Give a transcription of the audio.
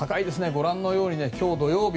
ご覧のように今日、土曜日